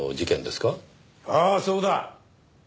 ああそうだ。